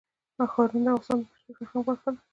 ښارونه د افغانستان د بشري فرهنګ برخه ده.